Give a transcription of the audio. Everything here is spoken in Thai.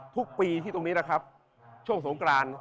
ทุกปีที่ตรงนี้นะครับช่วงสงกราน